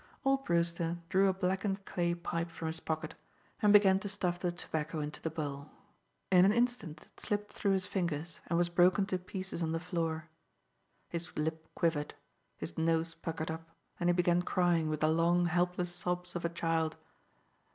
Old Brewster drew a blackened clay pipe from his pocket, and began to stuff the tobacco into the bowl. In an instant it slipped through his fingers, and was broken to pieces on the floor. His lip quivered, his nose puckered up, and he began crying with the long, helpless sobs of a child.